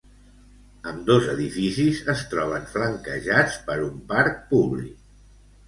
Ambdós edificis es troben flanquejats per un parc públic.